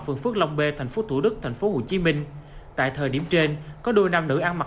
quận lòng b thành phố thủ đức thành phố hồ chí minh tại thời điểm trên có đôi nam nữ ăn mặc